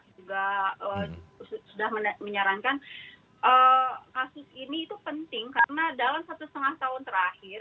juga sudah menyarankan kasus ini itu penting karena dalam satu setengah tahun terakhir